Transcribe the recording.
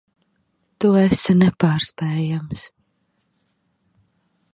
Tu esi nepārspējams.